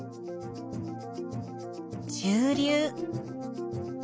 中流。